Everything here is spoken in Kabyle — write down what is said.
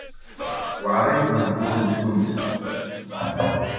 Weɛrit lehdur n tsumta.